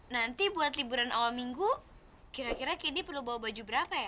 nanti buat liburan awal minggu kira kira kini perlu bawa baju berapa ya